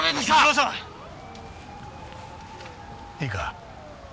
いいか？